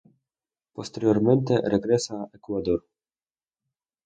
Posteriormente regresa a Ecuador.